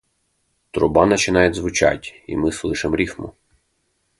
Труба начинает звучать и мы слышим рифму.